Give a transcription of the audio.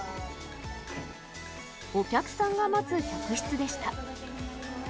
お客さんが待つ客室でした。